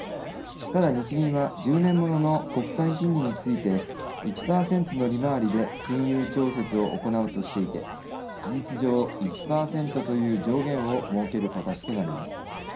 ただ、日銀は１０年ものの国債金利について１％の利回りで金融調節を行うとしていて事実上１％という上限を設ける形となります。